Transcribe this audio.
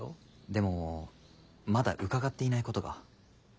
でもまだ伺っていないことが。